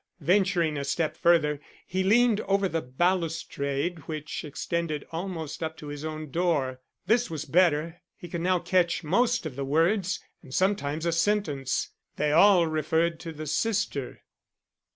Venturing a step further, he leaned over the balustrade which extended almost up to his own door. This was better; he could now catch most of the words and sometimes a sentence. They all referred to the sister.